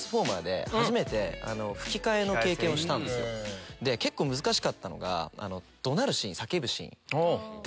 僕この間。結構難しかったのが。